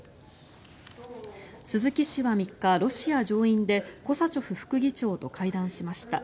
鈴木氏は３日、ロシア上院でコサチョフ副議長と会談しました。